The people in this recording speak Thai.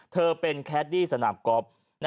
เธอเป็นแคดดี้สนับกรอบ